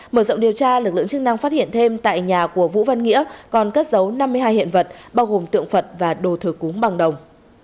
mở rộng điều tra lực lượng chức năng phát hiện thêm tại nhà của vũ văn nghĩa còn cất dấu năm mươi hai hiện vật bao gồm tượng phật và đồ thờ cúng bằng đồng